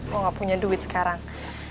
gue gak punya duit sekarang